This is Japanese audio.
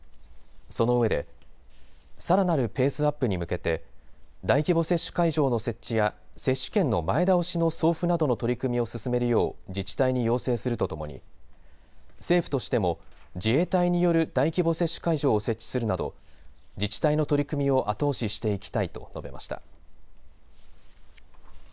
そのうえでさらなるペースアップに向けて大規模接種会場の設置や接種券の前倒しの送付などの取り組みを進めるよう、自治体に要請するとともに政府としても自衛隊による大規模接種会場を設置するなど自治体の取り組みを後押ししていきたいと述べました。